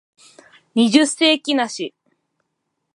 二十世紀梨